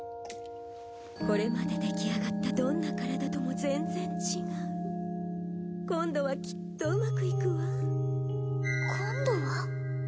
これまでできあがったどんな体とも全然違う今度はきっとうまくいくわ今度は？